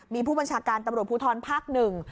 มีผู้บัญชาการตำรวจภูทรภาคหนึ่ง